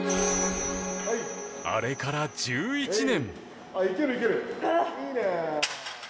あれから１１年。